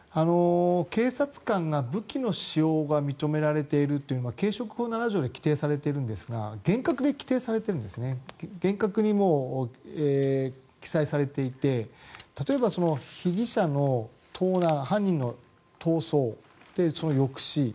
警察官は武器の使用を認められているというのは警職法７条で規定されているんですが厳格に記載されていて例えば被疑者の盗難犯人の逃走その抑止。